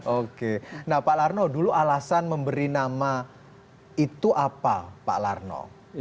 oke nah pak larno dulu alasan memberi nama itu apa pak larno